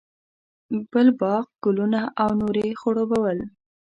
بل باغ، ګلونه او نور یې خړوبول.